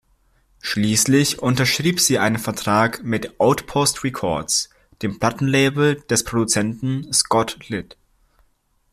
Schließlich unterschrieb sie einen Vertrag mit Outpost Records, dem Plattenlabel des Produzenten Scott Litt.